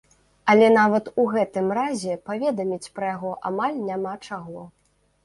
Але нават ў гэтым разе паведаміць пра яго амаль няма чаго.